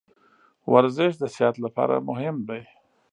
ورزش د صحت لپاره مهم دی.